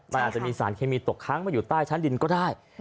มันอาจมีสารเคมีตกค้างมาใต้ดินก็ได้